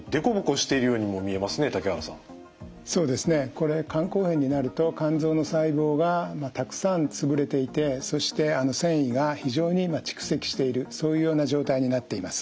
これ肝硬変になると肝臓の細胞がたくさん潰れていてそして線維が非常に蓄積しているそういうような状態になっています。